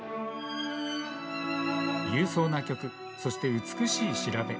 勇壮な曲、そして美しい調べ。